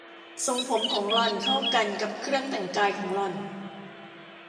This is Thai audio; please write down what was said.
ทรงผมของหล่อนเข้ากันกับเครื่องแต่งกายของหล่อน